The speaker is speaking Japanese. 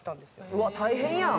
うわっ大変やん！